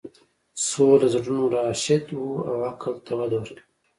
سوله د زړونو راشدو او عقل ته وده ورکوي.